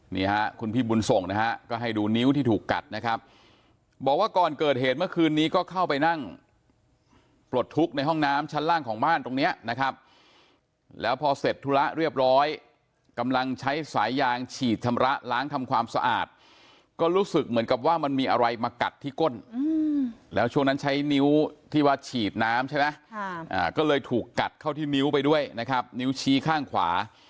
นี่ฮะคุณพี่บุญส่งนะฮะก็ให้ดูนิ้วที่ถูกกัดนะครับบอกว่าก่อนเกิดเหตุเมื่อคืนนี้ก็เข้าไปนั่งปลดทุกข์ในห้องน้ำชั้นล่างของบ้านตรงเนี้ยนะครับแล้วพอเสร็จธุระเรียบร้อยกำลังใช้สายยางฉีดชำระล้างทำความสะอาดก็รู้สึกเหมือนกับว่ามันมีอะไรมากัดที่ก้นแล้วช่วงนั้นใช้นิ้วที่ว่าฉีดน้ำใช่ไหมก็เลยถูกกัดเข้าที่นิ้วไปด้วยนะครับนิ้วชี้ข้างขวา